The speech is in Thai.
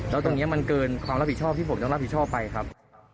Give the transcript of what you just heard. แล้วตรงนี้มันเกินความรับผิดชอบที่ผมต้องรับผิดชอบไปครับ